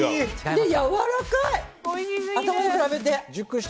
で、やわらかい！